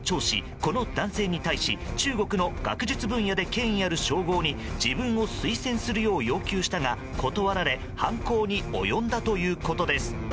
この男性に対し中国の学術分野で権威ある称号に自分を推薦するよう要求したが断られ犯行に及んだということです。